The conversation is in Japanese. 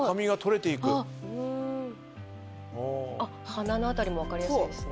鼻の辺りも分かりやすいですね。